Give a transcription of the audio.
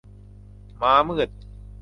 ม้ามืด